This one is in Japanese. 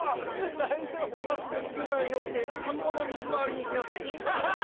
今すぐスクーターに乗って田んぼの水回りに行きなさい。